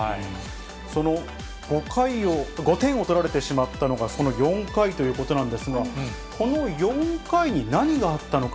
その５点を取られてしまったのがその４回ということなんですが、この４回に何があったのか。